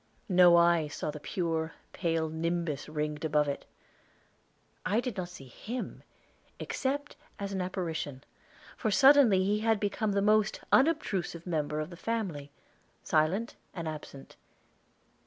No eye saw the pure, pale nimbus ringed above it. I did not see him, except as an apparition, for suddenly he had become the most unobtrusive member of the family, silent and absent.